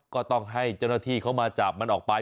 ก็ต้องให้เจ้าหน้าที่เขามาจับมันออกไป